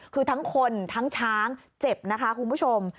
คือทั้งคนทั้งช้างเจ็บนะคะคุณผู้ชม